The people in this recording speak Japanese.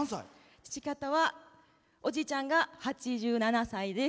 父方はおじいちゃんが８７歳です。